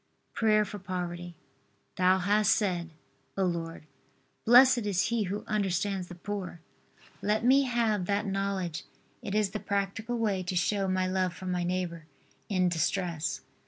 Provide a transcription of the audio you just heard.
PRAYER FOR POVERTY. Thou hast said, O Lord, "Blessed is he who understands the poor." Let me have that knowledge. It is the practical way to show my love for my neighbor in distress.